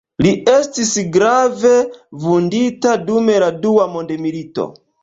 Li estis grave vundita dum la dua mondmilito.